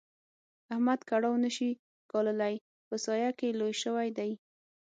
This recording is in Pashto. احمد کړاو نه شي ګاللای؛ په سايه کې لوی شوی دی.